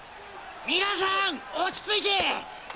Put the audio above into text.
皆さん落ち着いて！